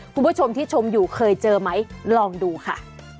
คุณผู้ชมที่ชมอยู่เคยเจอไหมลองดูค่ะ